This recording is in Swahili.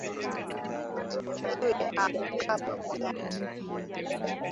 Adui aangukapo mnyanyue